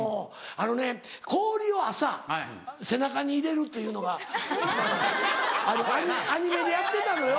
あのね氷を朝背中に入れるというのがアニメでやってたのよ。